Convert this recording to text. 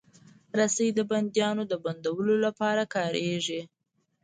رسۍ د بندیانو د بندولو لپاره کارېږي.